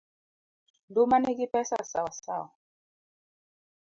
Nduma nigi pesa sawasawa.